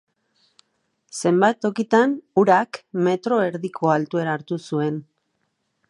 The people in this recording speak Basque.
Zenbait tokitan, urak metro erdiko altuera hartu zuen.